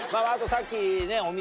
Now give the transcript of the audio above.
さっき。